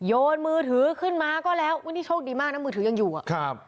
โยนมือถือขึ้นมาก็แล้วอุ้ยนี่โชคดีมากนะมือถือยังอยู่อ่ะครับ